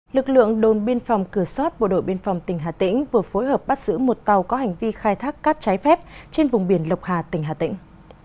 lực lượng đồn biên phòng cửa sót bộ đội biên phòng tỉnh hà tĩnh vừa phối hợp bắt giữ một tàu có hành vi khai thác cát trái phép trên vùng biển lộc hà tỉnh hà tĩnh